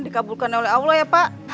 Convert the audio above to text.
dikabulkan oleh allah ya pak